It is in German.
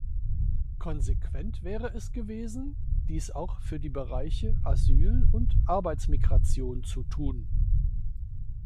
Konsequent wäre es gewesen, dies auch für die Bereiche Asyl und Arbeitsmigration zu tun.